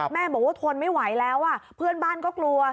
แม่บอกว่าทนไม่ไหวแล้วเพื่อนบ้านก็กลัว